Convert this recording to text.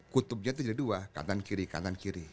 kutubnya itu jadi dua kanan kiri kanan kiri